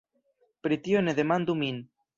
pri tio ne demandu min!